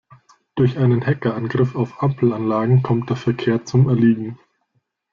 Durch einen Hackerangriff auf Ampelanlagen kommt der Verkehr zum Erliegen.